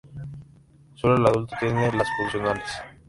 Solo el adulto tiene alas funcionales.